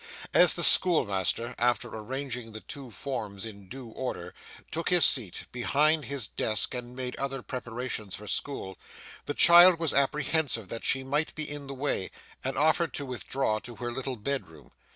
As the schoolmaster, after arranging the two forms in due order, took his seat behind his desk and made other preparations for school, the child was apprehensive that she might be in the way, and offered to withdraw to her little bedroom.